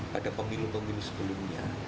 pada pemilu pemilu sebelumnya